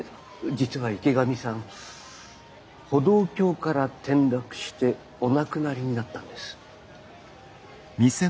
実は池上さん歩道橋から転落してお亡くなりになったんです。